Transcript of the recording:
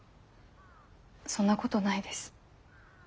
そんなことないです。